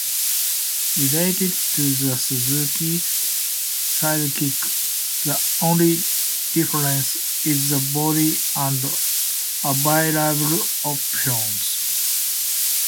Related to the Suzuki Sidekick, the only difference is the body and available options.